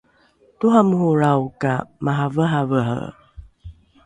toramorolrao ka maraveravere